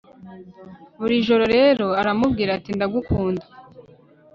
buri joro rero aramubwira ati ndagukunda